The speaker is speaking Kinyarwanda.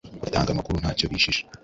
bagatanga amakuru nta cyo bishisha?